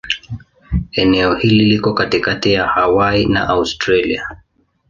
Eneo hili liko katikati ya Hawaii na Australia.